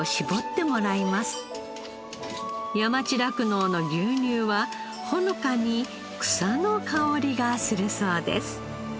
山地酪農の牛乳はほのかに草の香りがするそうです。